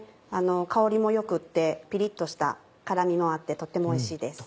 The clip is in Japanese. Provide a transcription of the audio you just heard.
香りも良くってピリっとした辛みもあってとってもおいしいです。